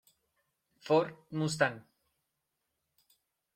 Ford Mustang